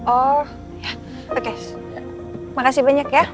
oh ya oke makasih banyak ya